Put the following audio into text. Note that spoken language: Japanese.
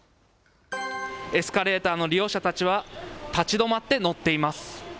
エスカレーターの利用者たちは、立ち止まって乗っています。